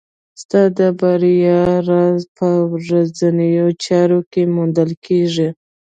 ستا د بریا راز په ورځنیو چارو کې موندل کېږي.